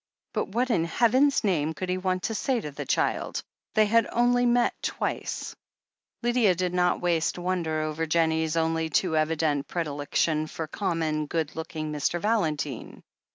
But what in Heaven's name could he want to say to the child — ^they had only met twice ! Lydia did not waste wonder over Jennie's only too evident predilection for common, good looking Mr. Valentine.